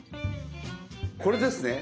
これですね。